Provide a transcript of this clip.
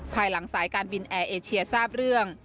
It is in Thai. ภายหลังสายการบินแอร์เอเชียทราบเรื่อง